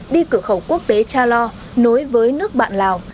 đi cửa khẩu quốc tế cha lo nối với nước bạn lào